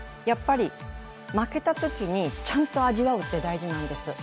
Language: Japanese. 負けたときにちゃんと味わうって大事なんです。